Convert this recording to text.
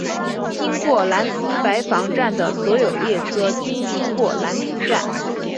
经过兰斯白房站的所有列车均经过兰斯站。